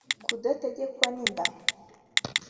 kudategekwa n’inda